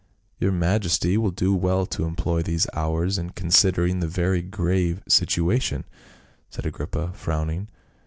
" Your majesty will do well to employ these hours in considering the very grave situation," said Agrippa frowning.